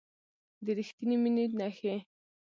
د ریښتینې مینې نښې